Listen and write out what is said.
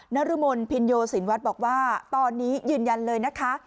นรมนภินโยสินวัฒน์บอกว่าตอนนี้ยืนยันเลยนะคะ